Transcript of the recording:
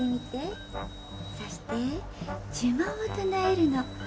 そして呪文を唱えるの。